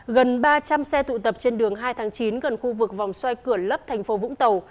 gần ba trăm linh xe tụ tập trên đường hai tháng chín gần khu vực vòng xoay cửa lấp thành phố vũng tàu